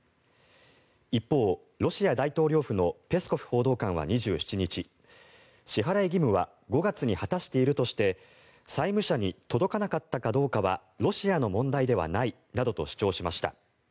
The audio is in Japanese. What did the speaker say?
一方、ロシア大統領府のペスコフ報道官は２７日支払い義務は５月に果たしているとして債務者に届かなかったかどうかはロシアの問題ではないと主張しました。